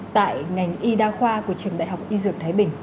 tại ngành y đa khoa của trường đại học y dược thái bình